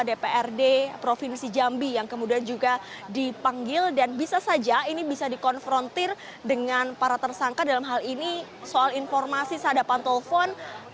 dprd provinsi jambi yang kemudian juga dipanggil dan bisa saja ini bisa dikonfrontir dengan para tersangka dalam hal ini soal informasi sadapan telepon